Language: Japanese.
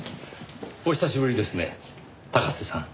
お久しぶりですね高瀬さん。